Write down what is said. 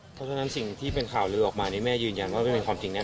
เพราะฉะนั้นสิ่งที่เป็นข่าวลือออกมานี่แม่ยืนยันว่าไม่เป็นความจริงแน